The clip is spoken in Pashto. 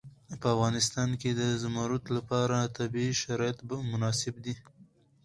په افغانستان کې د زمرد لپاره طبیعي شرایط مناسب دي.